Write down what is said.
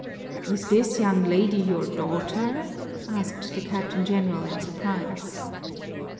"Is this young lady your daughter?" asked the Captain General in surprise.